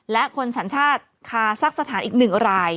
และคนสัญชาติคาซักสถานอีก๑ราย